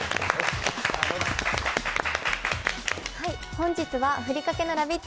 本日はふりかけのラヴィット！